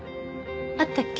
あったっけ？